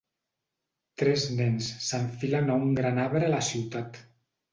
Tres nens s'enfilen a un gran arbre a la ciutat.